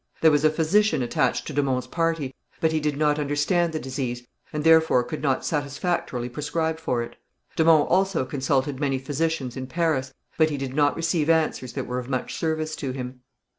There was a physician attached to de Monts' party, but he did not understand the disease, and therefore could not satisfactorily prescribe for it. De Monts also consulted many physicians in Paris, but he did not receive answers that were of much service to him.